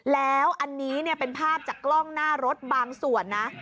แล้วอันนี้เป็นภาพจากกล้องหน้ารถบางส่วนนะ